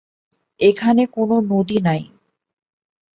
এখানে কোন নদী নাই।